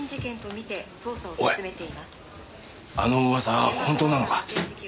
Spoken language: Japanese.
あの噂本当なのか？